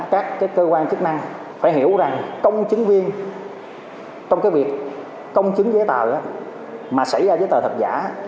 các cơ quan chức năng phải hiểu rằng công chứng viên trong việc công chứng giấy tờ mà xảy ra giấy tờ thật giả